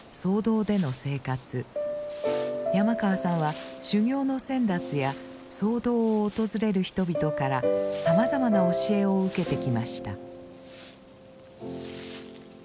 山川さんは修行の先達や僧堂を訪れる人々からさまざまな教えを受けてきました。